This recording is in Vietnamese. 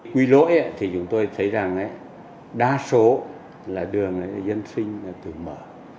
quy lỗi thì chúng tôi thấy rằng đa số là đường dân sinh tự mở